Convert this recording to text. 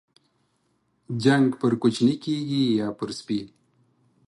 جنگ پر کوچني کېږي ، يا پر سپي.